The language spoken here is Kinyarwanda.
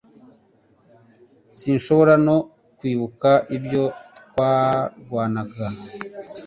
Sinshobora no kwibuka ibyo twarwanaga